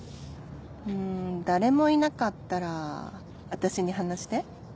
うん誰もいなかったら私に話して